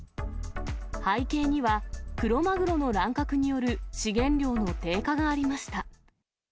背景には、クロマグロの乱獲による資源量の低下がありました。